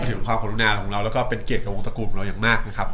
ถึงความกรุณาของเราแล้วก็เป็นเกียรติกับวงตระกูลของเราอย่างมากนะครับ